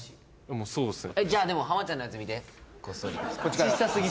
もうそうっすね